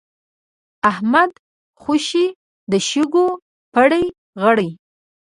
احمد خوشی د شګو پړي غړي.